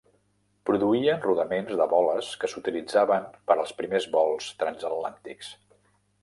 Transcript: Produïen rodaments de boles que s'utilitzaven per als primers vols transatlàntics.